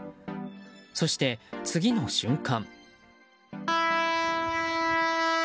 そして、次の瞬間。